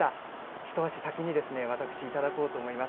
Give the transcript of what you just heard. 一足先に私、頂こうと思います。